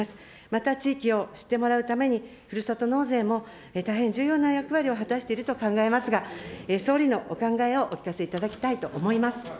また地域を知ってもらうために、ふるさと納税も大変重要な役割を果たしていると考えますが、総理のお考えをお聞かせいただきたいと思います。